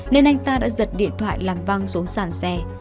nên anh ta đã giật điện thoại làm văng xuống sàn xe